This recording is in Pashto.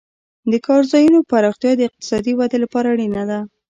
د کار ځایونو پراختیا د اقتصادي ودې لپاره اړینه ده.